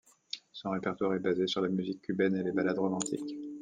Son répertoire est basé sur la musique cubaine et les ballades romantiques.